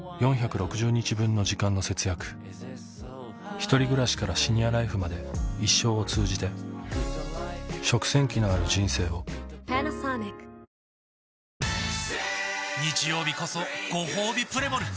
ひとり暮らしからシニアライフまで生を通じて、日曜日こそごほうびプレモル！